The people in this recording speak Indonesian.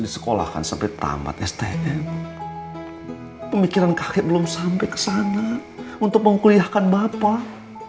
disekolahkan sampai tamat stm pemikiran kakek belum sampai ke sana untuk mengkuliahkan bapak